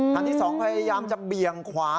คันที่๒พยายามจะเบี่ยงขวา